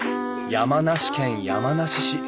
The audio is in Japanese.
山梨県山梨市。